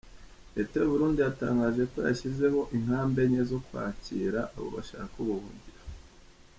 Leta y’u Burundi yatangaje ko yashyizeho inkambi enye zo kwakira abo bashaka ubuhungiro.